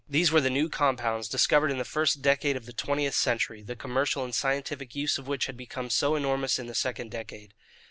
These were the new compounds, discovered in the first decade of the twentieth century, the commercial and scientific use of which had become so enormous in the second decade.